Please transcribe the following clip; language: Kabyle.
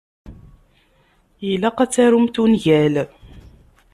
Ilaq ad tarumt ungal.